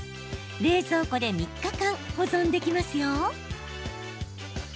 冷蔵庫で３日間、保存できますよ。